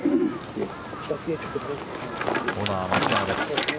オナーは松山です。